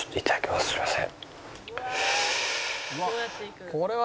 すいません。